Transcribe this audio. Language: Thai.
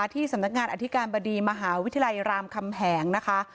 ที่สำนักงานอธิการบดีมหาวิทยาลัยรามคำแหงนะคะ